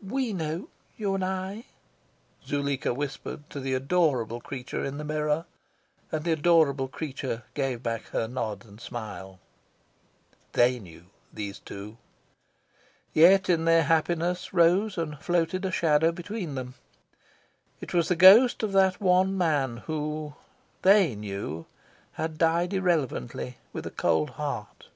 "WE know, you and I," Zuleika whispered to the adorable creature in the mirror; and the adorable creature gave back her nod and smile. THEY knew, these two. Yet, in their happiness, rose and floated a shadow between them. It was the ghost of that one man who THEY knew had died irrelevantly, with a cold heart.